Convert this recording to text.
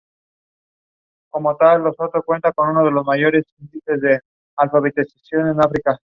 Es frecuente el empleo de especias como el azafrán y el pimentón.